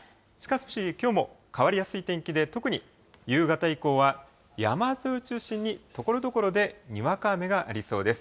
各地、きょうも変わりやすい天気で、特に夕方以降は山沿いを中心に、ところどころでにわか雨がありそうです。